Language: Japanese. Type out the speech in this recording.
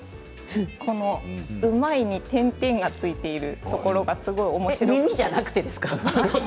うまいに点々がついているところがすごくおもしろくて。